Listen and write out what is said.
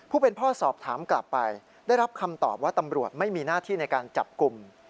พ่อสอบถามกลับไปได้รับคำตอบว่าตำรวจไม่มีหน้าที่ในการจับกลุ่ม